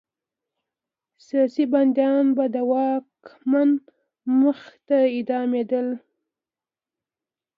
سیاسي بندیان به د واکمن مخې ته اعدامېدل.